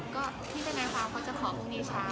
ก็พี่จะเอาคำว่าจะขอพรุ่งนี้เช้า